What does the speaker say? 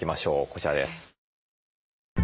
こちらです。